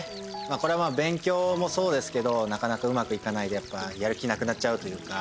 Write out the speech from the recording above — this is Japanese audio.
これまあ勉強もそうですけどなかなかうまくいかないとやっぱやる気なくなっちゃうというか。